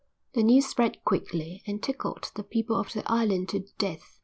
The news spread quickly and tickled the people of the island to death.